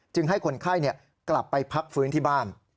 ให้คนไข้กลับไปพักฟื้นที่บ้าน